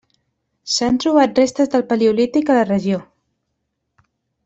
S'han trobat restes del paleolític a la regió.